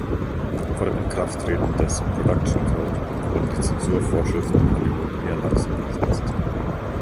Vor dem Inkrafttreten des "Production Code" wurden die Zensurvorschriften in Hollywood eher lax umgesetzt.